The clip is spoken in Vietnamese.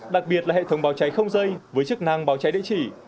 đặc biệt là hệ thống báo cháy không dây với chức năng báo cháy địa chỉ